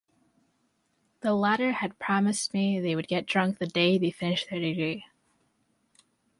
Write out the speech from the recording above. The latter had promised me they would get drunk the day they finished their degree.